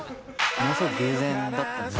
ものすごい偶然だった。